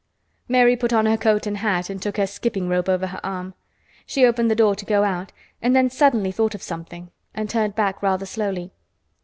Mary put on her coat and hat and took her skipping rope over her arm. She opened the door to go out, and then suddenly thought of something and turned back rather slowly.